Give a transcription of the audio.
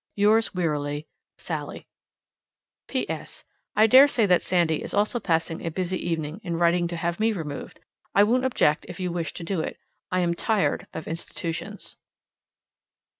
Yours wearily, SALLIE. P.S. I dare say that Sandy is also passing a busy evening in writing to have me removed. I won't object if you wish to do it. I am tired of institutions.